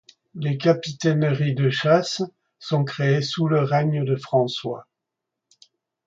Les capitaineries de chasse sont créées sous le règne de François.